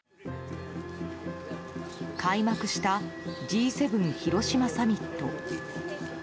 開幕したＧ７広島サミット。